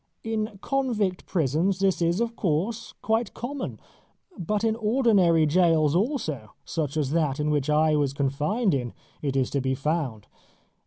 In convict prisons this is, of course, quite common; but in ordinary gaols also, such as that I was confined in, it is to be found.